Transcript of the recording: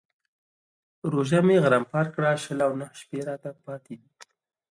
روژه مې غرم پر کړه شل او نهه شپې راته پاتې.